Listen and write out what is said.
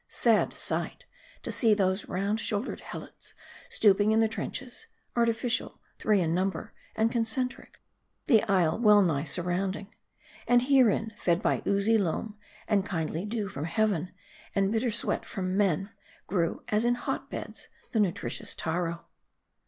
Sad sight ! to see those round shouldered Helots, stooping in their trenches : artificial, three in number, and concentric : the isle well nigh surrounding. ' And herein, fed by oozy loam, and kindly dew from heaven, and bitter sweat from men, grew as in hot beds the nutritious Taro.